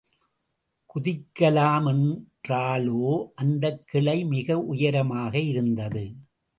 குதிக்கலாமென்றாலோ, அந்தக் கிளை மிக உயரமாக இருந்தது.